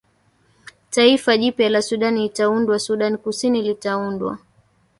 taifa jipya la sudan itaundwa sudan kusini litaundwa